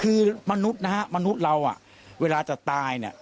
คือมนุษย์นะฮะมนุษย์เราเวลาจะตายเนี่ย